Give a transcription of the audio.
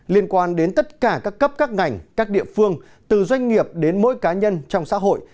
liên quan đến tất cả các cấp các ngành các địa phương từ doanh nghiệp đến mỗi cá nhân trong xã hội